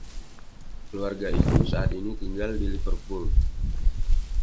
Keluarga itu saat ini tinggal di Liverpool.